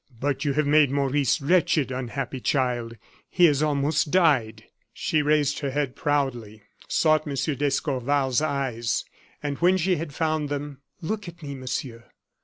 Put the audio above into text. "But you have made Maurice wretched, unhappy, child; he has almost died." She raised her head proudly, sought M. d'Escorval's eyes, and when she had found them: "Look at me, Monsieur.